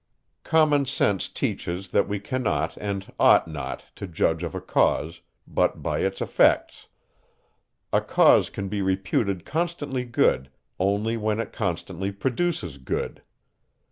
Common sense teaches, that we cannot, and ought not, to judge of a cause, but by its effects. A cause can be reputed constantly good, only when it constantly produces good.